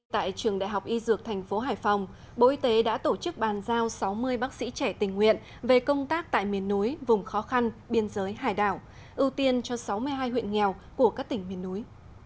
tại trường đại học y dược tp hải phòng bộ y tế đã tổ chức bàn giao sáu mươi bác sĩ trẻ tình nguyện về công tác tại miền núi vùng khó khăn biên giới hải đảo ưu tiên cho sáu mươi hai huyện nghèo của các tỉnh miền núi